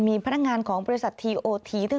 มีพนักงานของบริษัททีโอที